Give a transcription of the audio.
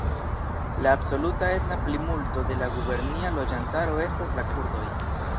La absoluta etna plimulto de la gubernia loĝantaro estas la kurdoj.